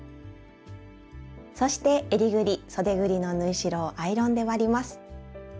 そしてえりぐりそでぐりの縫い代をアイロンで割ります。